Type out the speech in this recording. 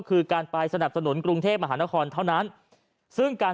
คือการไปสนับสนุนกรุงเทพมหานครเท่านั้นซึ่งการ